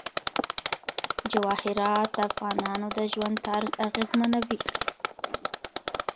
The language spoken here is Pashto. جواهرات د افغانانو د ژوند طرز اغېزمنوي.